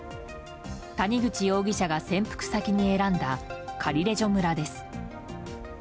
谷本容疑者が潜伏先に選んだカリレジョ村です。